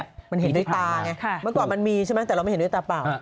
มันเห็นด้วยตาไงเมื่อก่อนมันมีใช่ไหมแต่เราไม่เห็นด้วยตาเปล่า